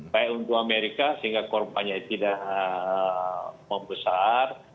baik untuk amerika sehingga korbannya tidak membesar